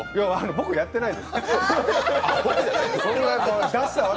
僕、やってないです。